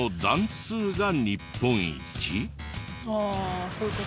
ああそういう事？